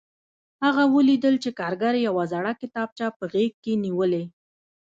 هغه ولیدل چې کارګر یوه زړه کتابچه په غېږ کې نیولې